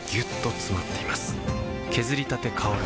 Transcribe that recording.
削りたて香る